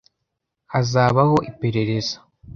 Hazabaho iperereza.